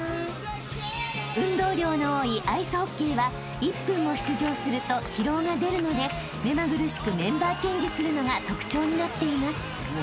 ［運動量の多いアイスホッケーは１分も出場すると疲労が出るので目まぐるしくメンバーチェンジするのが特徴になっています］